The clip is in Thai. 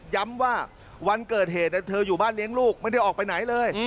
ย้ำว่าวันเกิดเหตุเธออยู่บ้านเลี้ยงลูกไม่ได้ออกไปไหนเลย